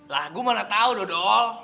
lah gue mana tau dong